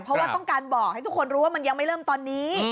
เพราะว่าต้องการบอกให้ทุกคนรู้ว่ามันยังไม่เริ่มตอนนี้